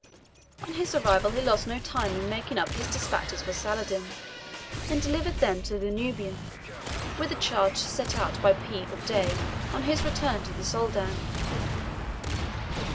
On his arrival he lost no time in making up his dispatches for Saladin, and delivered them to the Nubian, with a charge to set out by peep of day on his return to the Soldan.